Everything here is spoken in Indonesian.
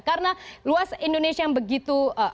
karena luas indonesia yang begitu